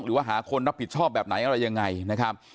หรือว่าหาคนรับผิดชอบแบบไหนอะไรยังไงนะครับ